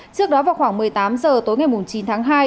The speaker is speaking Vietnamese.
trước đó vào khoảng một mươi tám h tối ngày chín tháng hai